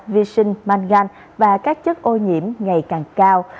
vi sinh mangan và các chất ô nhiễm ngày càng cao